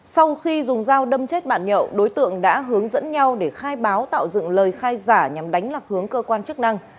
sau khi dùng dao đâm chết bạn nhậu đối tượng đã hướng dẫn nhau để khai báo tạo dựng lời khai giả nhằm đánh lạc hướng cơ quan chức năng